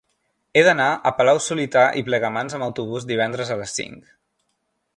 He d'anar a Palau-solità i Plegamans amb autobús divendres a les cinc.